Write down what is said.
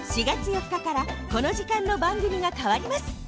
４月４日からこの時間のばんぐみがかわります